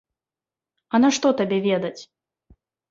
А нашто табе ведаць?